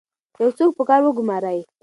یو څوک په کار وګمارئ.